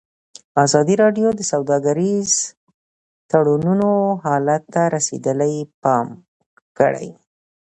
ازادي راډیو د سوداګریز تړونونه حالت ته رسېدلي پام کړی.